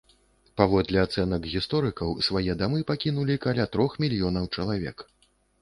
Паводле ацэнак гісторыкаў, свае дамы пакінулі каля трох мільёнаў чалавек.